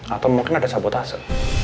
atau mungkin ada sabotase